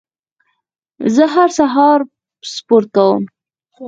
زه هر سهار سپورت کوم.